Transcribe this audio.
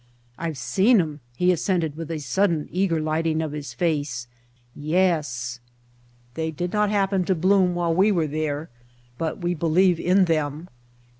"I've seen 'em," he assented, with a sudden eager lighting of his face — "yes!" They did not happen to bloom while we were there but we believe in them.